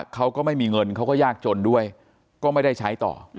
เขาก็ไม่มีเงินเขาก็ยากจนด้วยก็ไม่ได้ใช้ต่อ